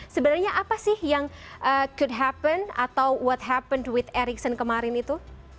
sebenarnya apa sih yang could happen atau what happened with eriksen kemarin itu